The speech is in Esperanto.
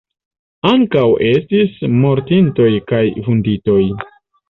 Ankaŭ estis mortintoj kaj vunditoj.